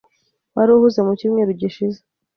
Wari uhuze mu cyumweru gishize.